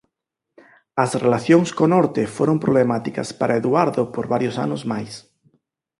As relacións co norte foron problemáticas para Eduardo por varios anos máis.